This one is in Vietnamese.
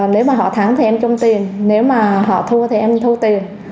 nếu mà họ thắng thì em chung tiền nếu mà họ thua thì em thu tiền